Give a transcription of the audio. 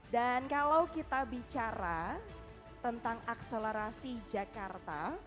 dan kalau kita bicara tentang akselerasi jakarta